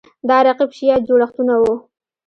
دا رقیب شیعه جوړښتونه وو